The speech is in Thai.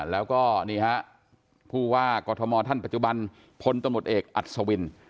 แล้วก็นี่ฮะผู้ว่ากอทมท่านปัจจุบันพลตำรวจเอกอัศวิน